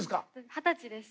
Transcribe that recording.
二十歳です。